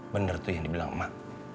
bener tuh yang dibilang emak